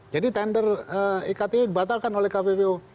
jadi tender iktu dibatalkan oleh kpu kpu